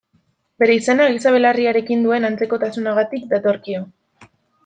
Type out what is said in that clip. Bere izena, giza belarriarekin duen antzekotasunagatik datorkio.